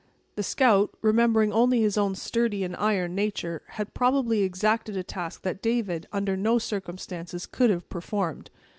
The scout, remembering only his own sturdy and iron nature, had probably exacted a task that David, under no circumstances, could have performed.